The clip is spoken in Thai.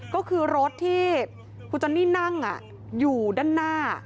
ก็คือรถที่คุณจอนนี่นั่งอยู่ด้านหน้า